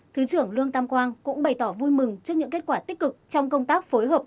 thứ trưởng lương tam quang cũng bày tỏ vui mừng trước những kết quả tích cực trong công tác phối hợp